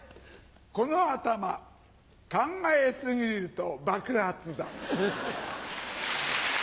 この頭考え過ぎると爆発だ。